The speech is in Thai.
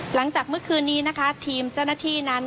หลังจากเมื่อคืนนี้นะคะทีมเจ้าหน้าที่นั้น